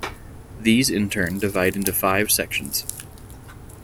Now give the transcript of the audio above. These in turn divide into five sections.